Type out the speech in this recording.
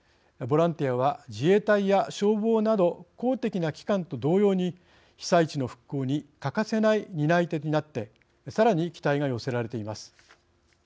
ボランティアは自衛隊や消防など公的な機関と同様に被災地の復興に欠かせない担い手になってさらに期待が寄せられています。